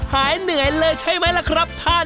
หายเหนื่อยเลยใช่ไหมล่ะครับท่าน